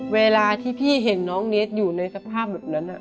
เวลาที่พี่เห็นน้องเนสอยู่ในสภาพแบบนั้น